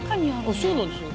あそうなんですよ。